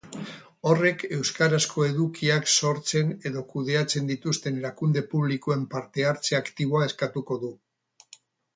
Horrek euskarazko edukiak sortzen edo kudeatzen dituzten erakunde publikoen parte-hartze aktiboa eskatuko du.